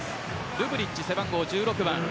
ルブリッチ背番号、１６番。